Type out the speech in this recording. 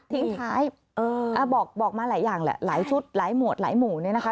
ทิ้งท้ายบอกมาหลายอย่างแหละหลายชุดหลายหมวดหลายหมู่เนี่ยนะคะ